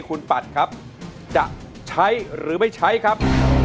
คุณปัดครับจะใช้หรือไม่ใช้ครับ